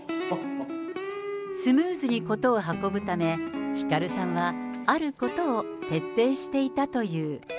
スムーズに事を運ぶため、ひかるさんはあることを徹底していたという。